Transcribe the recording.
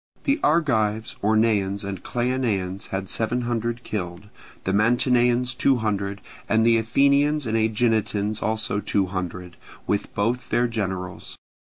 The Argives, Orneans, and Cleonaeans had seven hundred killed; the Mantineans two hundred, and the Athenians and Aeginetans also two hundred, with both their generals.